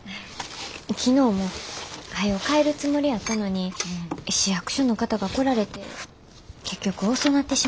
昨日もはよ帰るつもりやったのに市役所の方が来られて結局遅なってしもて。